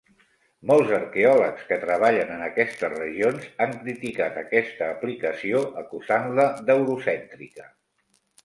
Molts arqueòlegs que treballen en aquestes regions han criticat aquesta aplicació acusant-la d'eurocèntrica.